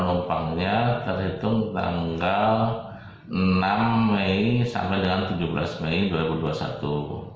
penumpangnya terhitung tanggal enam mei sampai dengan tujuh belas mei dua ribu dua puluh satu